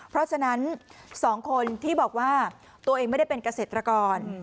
เพราะฉะนั้น๒คนที่บอกว่าตัวเองไม่ได้เป็นเกษตรกร